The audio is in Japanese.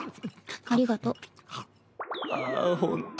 ありがと。